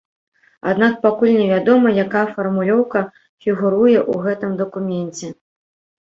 Аднак пакуль не вядома, якая фармулёўка фігуруе ў гэтым дакуменце.